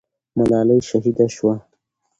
ملالۍ شهیده سوه.